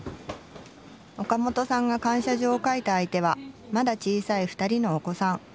岡本さんが感謝状を書いた相手はまだ小さい２人のお子さん。